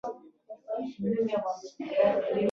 پارلمان خپل ټول پام د دولت پر کړنو څار ته ور ټول کړ.